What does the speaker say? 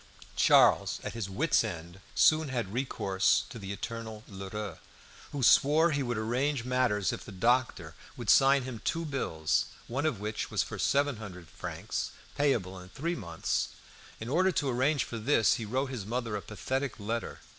Charles, at his wit's end, soon had recourse to the eternal Lheureux, who swore he would arrange matters if the doctor would sign him two bills, one of which was for seven hundred francs, payable in three months. In order to arrange for this he wrote his mother a pathetic letter.